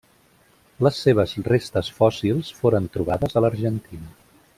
Les seves restes fòssils foren trobades a l'Argentina.